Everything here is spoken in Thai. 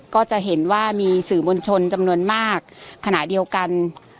ก็จะเห็นว่ามีสื่อมวลชนจำนวนมากขณะเดียวกัน